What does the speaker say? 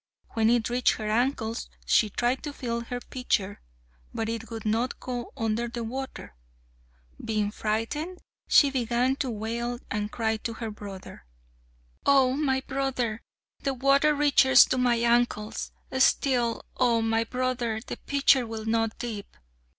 When it reached her ankles she tried to fill her pitcher, but it would not go under the water. Being frightened she began to wail and cry to her brother: "Oh! my brother, the water reaches to my ankles, Still, Oh! my brother, the pitcher will not dip."